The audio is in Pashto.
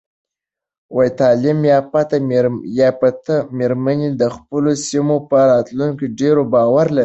تعلیم یافته میرمنې د خپلو سیمو په راتلونکي ډیر باور لري.